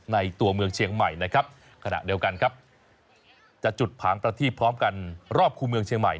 ตัวเมืองเชียงใหม่นะครับขณะเดียวกันครับจะจุดผางประทีบพร้อมกันรอบคู่เมืองเชียงใหม่